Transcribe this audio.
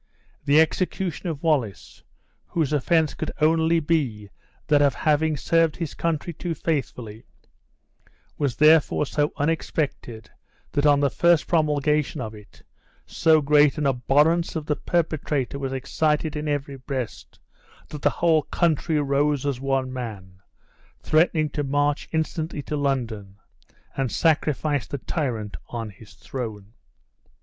The execution of Wallace, whose offense could only be that of having served his country too faithfully, was therefore so unexpected, that on the first promulgation of it, so great an abhorrence of the perpetrator was excited in every breast, that the whole country rose as one man, threatening to march instantly to London, and sacrifice the tyrant on his throne.